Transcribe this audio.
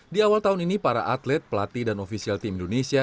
di awal tahun ini para atlet pelatih dan ofisial tim indonesia